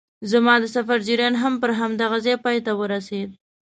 زما د سفر جریان هم پر همدې ځای پای ته ورسېد.